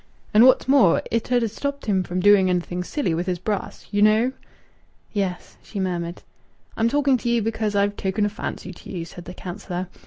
And what's more, it 'ud ha' stopped him from doing anything silly with his brass! You know." "Yes," she murmured. "I'm talking to ye because I've taken a fancy to ye," said the councillor.